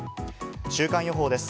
週間予報です。